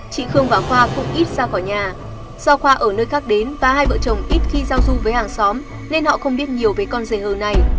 chị khương và khoa cũng ít ra khỏi nhà do khoa ở nơi khác đến và hai vợ chồng ít khi giao du với hàng xóm nên họ không biết nhiều về con dề hờ này